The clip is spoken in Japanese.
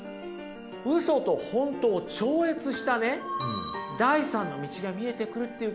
ウソと本当を超越したね第３の道が見えてくるっていうことなんですよ。